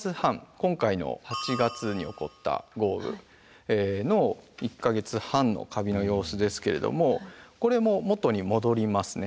今回の８月に起こった豪雨の１か月半のカビの様子ですけれどもこれも元に戻りますね。